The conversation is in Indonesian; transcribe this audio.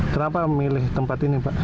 kenapa memilih tempat ini pak